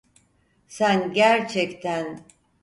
Sen gerçekten…